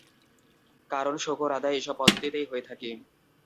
কারণ শোকর আদায় এসব পদ্ধতিতেই হয়ে থাকে।